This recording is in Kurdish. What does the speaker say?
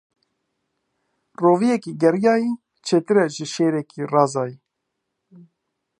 Roviyekî geriyayî, çêtir e ji şêrekî razayî.